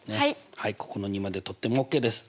はいここの２までとってもＯＫです。